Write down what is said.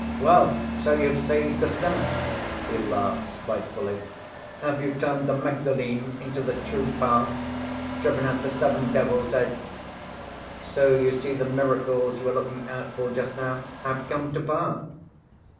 "Well, so you've saved the sinner?" he laughed spitefully. "Have you turned the Magdalene into the true path? Driven out the seven devils, eh? So you see the miracles you were looking out for just now have come to pass!"